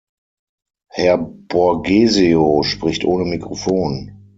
Herr Borghezio spricht ohne Mikrofon.